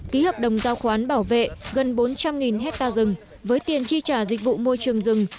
ký hợp đồng giao khoán bảo vệ gần bốn trăm linh hectare rừng với tiền chi trả dịch vụ môi trường rừng